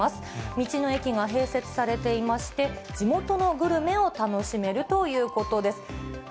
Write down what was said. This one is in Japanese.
道の駅が併設されていまして、地元のグルメを楽しめるということです。